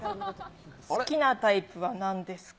好きなタイプはなんですか？